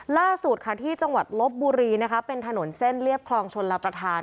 ล่าสุดค่ะที่จังหวัดลบบุรีนะคะเป็นถนนเส้นเรียบคลองชนรับประทาน